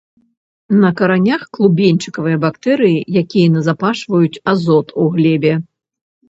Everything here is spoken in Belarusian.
На каранях клубеньчыкавыя бактэрыі, якія назапашваюць азот у глебе.